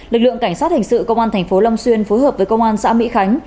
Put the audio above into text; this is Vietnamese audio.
lực lượng cảnh sát hình sự công an thành phố long xuyên phối hợp với công an xã mỹ khánh